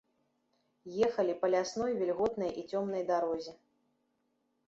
Ехалі па лясной вільготнай і цёмнай дарозе.